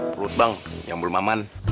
perut bang yang belum aman